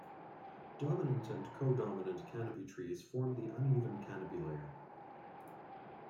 Dominant and co-dominant canopy trees form the uneven canopy layer.